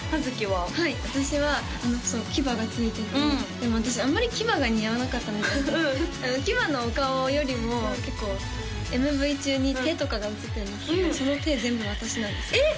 はい私は牙が付いててでも私あんまり牙が似合わなかったみたいで牙のお顔よりも結構ＭＶ中に手とかが映ってるんですけどその手全部私なんですえっ！？